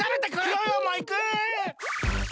クヨヨもいく！